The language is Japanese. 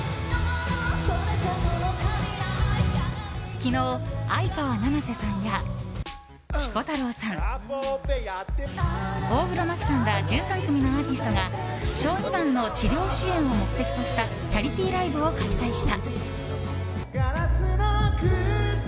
昨日、相川七瀬さんやピコ太郎さん大黒摩季さんら１３組のアーティストが小児がんの治療支援を目的としたチャリティーライブを開催した。